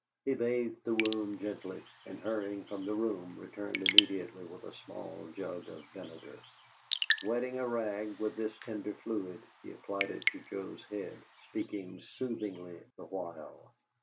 He bathed the wound gently, and hurrying from the room, returned immediately with a small jug of vinegar. Wetting a rag with this tender fluid, he applied it to Joe's head, speaking soothingly the while.